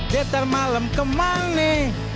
detar malam kemana